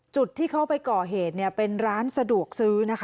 จุดที่เขาไปก่อเหตุเป็นร้านสะดวกซื้อนะคะ